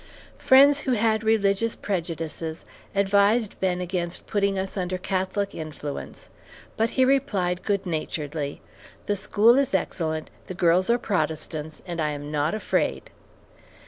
Friends who had religious prejudices advised Ben against putting us under Catholic influence, but he replied good naturedly: "The school is excellent, the girls are Protestants, and I am not afraid.